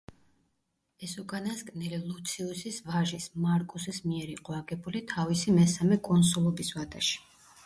ეს უკანასკნელი ლუციუსის ვაჟის, მარკუსის მიერ იყო აგებული თავისი მესამე კონსულობის ვადაში.